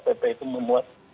pp itu memuat